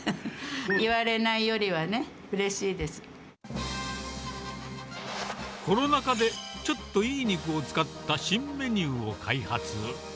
言われないよりはね、うれしいでコロナ禍で、ちょっといい肉を使った新メニューを開発。